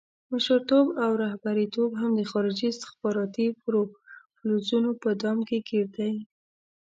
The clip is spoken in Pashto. مشرتوب او رهبریت هم د خارجي استخباراتي پروفوزلونو په دام کې ګیر دی.